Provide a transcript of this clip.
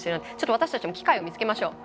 私たちも機会を設けましょう。